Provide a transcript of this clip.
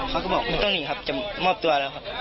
แล้วตัวพ่อเขาก๊อปล่ะ